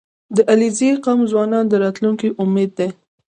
• د علیزي قوم ځوانان د راتلونکي امید دي.